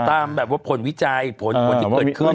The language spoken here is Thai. ตามแบบว่าผลวิจัยผลผลที่เกิดขึ้น